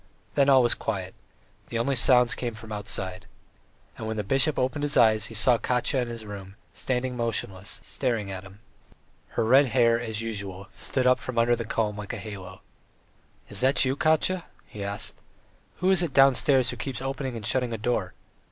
Then all was quiet, the only sounds came from outside. And when the bishop opened his eyes he saw Katya in his room, standing motionless, staring at him. Her red hair, as usual, stood up from under the comb like a halo. "Is that you, Katya?" he asked. "Who is it downstairs who keeps opening and shutting a door?"